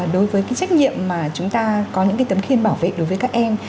đối với cái trách nhiệm mà chúng ta có những tấm khiên bảo vệ đối với các em